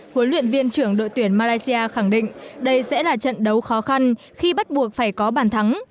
huấn luyện viên trưởng đội tuyển malaysia khẳng định đây sẽ là trận đấu khó khăn khi bắt buộc phải có bàn thắng